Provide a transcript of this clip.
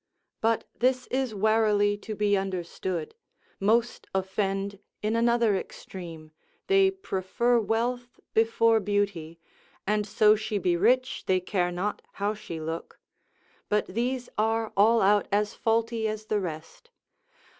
But this is warily to be understood, most offend in another extreme, they prefer wealth before beauty, and so she be rich, they care not how she look; but these are all out as faulty as the rest.